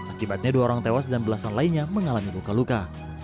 akibatnya dua orang tewas dan belasan lainnya mengalami luka luka